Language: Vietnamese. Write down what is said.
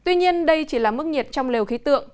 tuy nhiên đây chỉ là mức nhiệt trong lều khí tượng